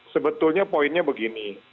sebetulnya poinnya begini